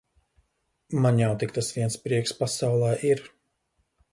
Man jau tik tas viens prieks pasaulē ir.